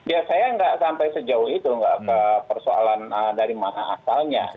ya saya nggak sampai sejauh itu nggak ke persoalan dari mana asalnya